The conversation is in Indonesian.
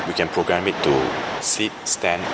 kita bisa mengatur tangan untuk mengambil alat dan alat